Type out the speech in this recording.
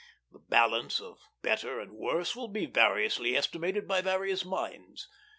The balance of better and worse will be variously estimated by various minds.